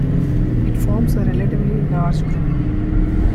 It forms a relatively large group.